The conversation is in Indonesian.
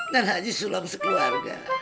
dan haji sulam sekeluarga